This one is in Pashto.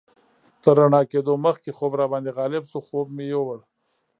تر رڼا کېدو مخکې خوب راباندې غالب شو، خوب مې یوړ.